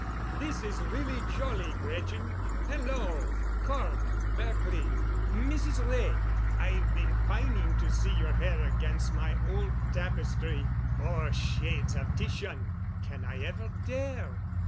"This is really jolly, Gretchen. Hello! Cort, Berkely—Mrs. Wray, I've been pining to see your hair against my old tapestry. Oh! shades of Titian! Can I ever dare?"